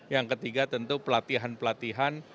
yang ketiga tentu pelatihan pelatihan